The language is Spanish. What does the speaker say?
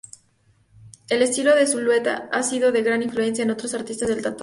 El estilo de Zulueta ha sido de gran influencia en otros artistas del tatuaje.